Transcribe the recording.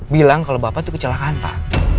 bilang kalau bapak tuh kecelakaan pak